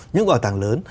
những cái bảo tàng lớn